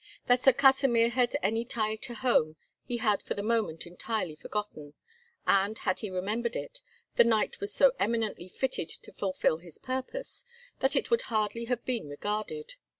That Sir Kasimir had any tie to home he had for the moment entirely forgotten; and, had he remembered it, the knight was so eminently fitted to fulfil his purpose, that it could hardly have been regarded.